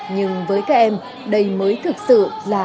nhưng với các em đây mới thực sự là